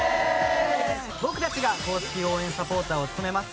僕たちが公式応援サポーターを務めます